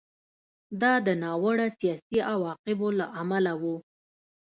دا د ناوړه سیاسي عواقبو له امله و